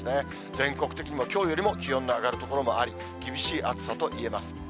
全国的にもきょうよりも気温の上がる所もあり、厳しい暑さといえます。